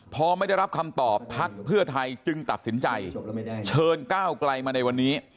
พอไม่ได้รับคำตอบพักเพื่อไทยจึงตัดสินใจเชิญก้าวไกลมาในวันนี้